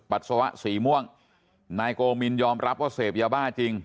ปัสสาวะสีม่วงนายโกมินยอมรับว่าเสพยาบ้าจริง